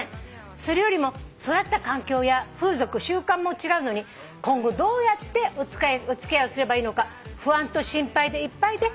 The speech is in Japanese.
「それよりも育った環境や風俗習慣も違うのに今後どうやってお付き合いをすればいいのか不安と心配でいっぱいです。